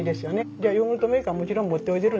じゃあヨーグルトメーカーもちろん持っておいでるんですね。